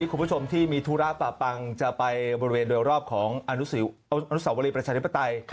คุณผู้ชมที่มีธุระป่าปังจะไปบริเวณโดยรอบของอนุสาวรีประชาธิปไตย